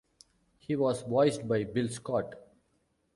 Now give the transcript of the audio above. He was voiced by Bill Scott.